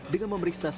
dengan memeriksa sepeda